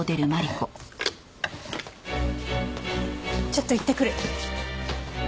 ちょっと行ってくる。